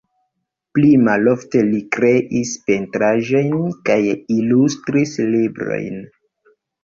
Pli malofte li kreis pentraĵojn kaj ilustris librojn.